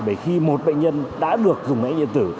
bởi khi một bệnh nhân đã được dùng bệnh án điện tử